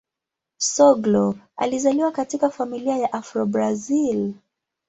Soglo alizaliwa katika familia ya Afro-Brazil.